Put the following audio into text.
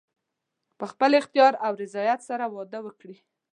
په خپل اختیار او رضایت سره واده وکړي.